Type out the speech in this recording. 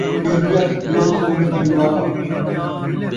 ݙیکھو شیر دی اکھ ، ݙیو سونے دا نوالہ